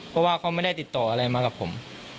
เพราะว่าเขาไม่ได้ติดต่ออะไรมากับผม